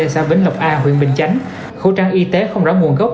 xã vĩnh lập a huyện bình chánh khẩu trang y tế không rõ nguồn gốc